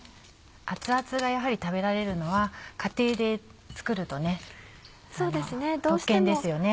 熱々がやはり食べられるのは家庭で作るとね特権ですよね。